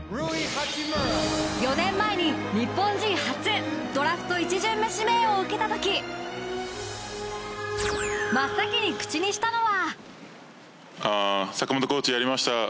４年前に日本人初ドラフト１巡目指名を受けた時真っ先に口にしたのは。